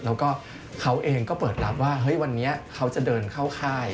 แต่ก็เค้าเองก็เปิดลับว่าเราจะคือยังเข้าค่าย